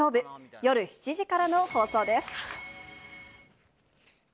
夜７時からの放送です。